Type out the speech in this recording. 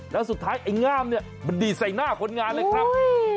แล้วสุดท้ายไอ้ง่ามเนี่ยมันดีดใส่หน้าคนงานเลยครับ